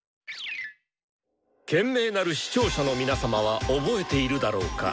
賢明なる視聴者の皆様は覚えているだろうか。